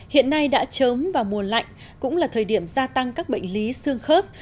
hiện nay đã trớm vào mùa lạnh cũng là thời điểm gia tăng các bệnh lý xương khớp